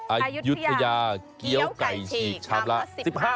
อายุทยาเกี้ยวไก่ฉีกชามละ๑๕บาท